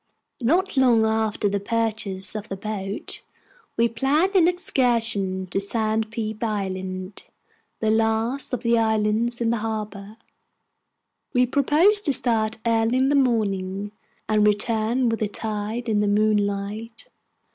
Not long after the purchase of the boat, we planned an excursion to Sandpeep Island, the last of the islands in the harbor. We proposed to start early in the morning, and return with the tide in the moonlight.